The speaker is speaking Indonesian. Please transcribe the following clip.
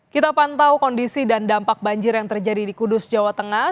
kita pantau kondisi dan dampak banjir yang terjadi di kudus jawa tengah